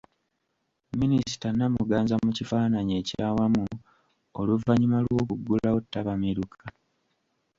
Minisita Namuganza mu kifaananyi ekyawamu oluvannyuma lw’okuggulawo ttabamiruka.